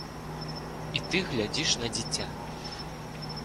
І ты глядзіш на дзіця.